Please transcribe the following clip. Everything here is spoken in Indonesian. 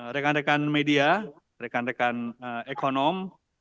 rekan rekan media rekan rekan ekonom